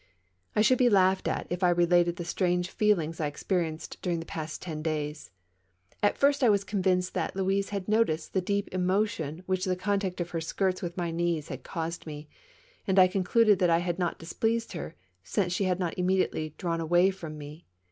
I should be laughed at if I related the strange feel ings I experienced during the past ten days. At first, I / 42 THE MAIS0N3 LAFFITTE RACES. was convinced tliat Louise had noticed the deep emo tion which the contact of her skirts with my knee had caused me ; and I concluded that I had not displeased her, since she had not immediately drawn away from me.